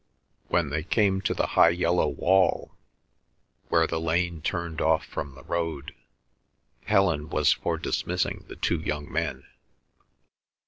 When they came to the high yellow wall, where the lane turned off from the road, Helen was for dismissing the two young men.